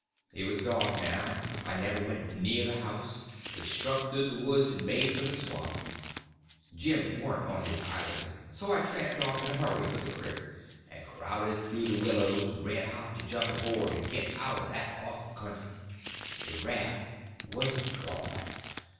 It was just dark now. I never went near the house, but struck through the woods and made for the swamp. Jim warn't on his island, so I tramped off in a hurry for the crick, and crowded through the willows, red hot to jump aboard and get out of that awful country. The raft was gone!